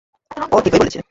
ও ঠিকই বলেছে।